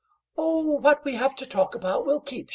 "Oh! what we have to talk about will keep!"